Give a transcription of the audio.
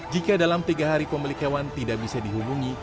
jika dalam tiga hari pemilik hewan tidak bisa dihubungi